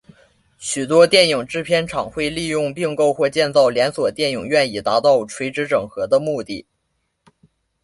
许多电影制片厂会利用并购或建造连锁电影院以达到垂直整合的目的。